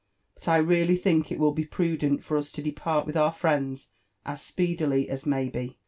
But I really think it will be but prudent for us to depart with our friends as speedily as may be.